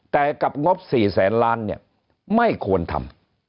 แต่กับงบ๔แสนล้านเนี่ยไม่ควรทำ